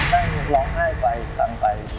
แม่งร้องไห้ไปสั่งไป